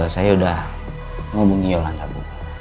saya udah ngomongin yolanda bu